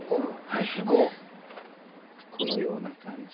このような感じで。